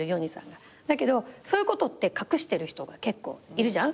だけどそういうことって隠してる人が結構いるじゃん。